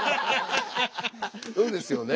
そうですよね。